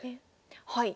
はい。